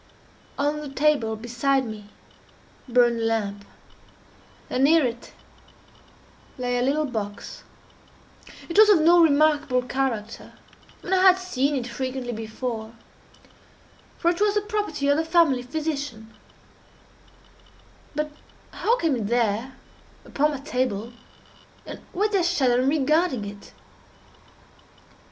_" On the table beside me burned a lamp, and near it lay a little box. It was of no remarkable character, and I had seen it frequently before, for it was the property of the family physician; but how came it there, upon my table, and why did I shudder in regarding it?